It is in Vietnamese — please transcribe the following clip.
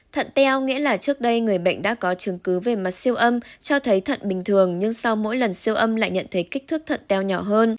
thận teo nghĩa là trước đây người bệnh đã có chứng cứ về mặt siêu âm cho thấy thận bình thường nhưng sau mỗi lần siêu âm lại nhận thấy kích thước thận teo nhỏ hơn